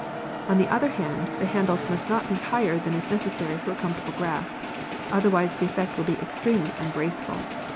On the other hand, the handles must not be higher than is necessary for a comfortable grasp, otherwise the effect will be extremely ungraceful.